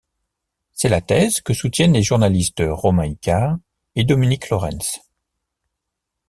C'est la thèse que soutiennent les journalistes Romain Icard et Dominique Lorentz.